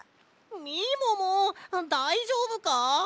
みももだいじょうぶか！？